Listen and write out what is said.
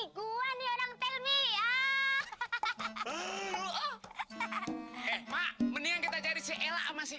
gua dibilang orang telwi nih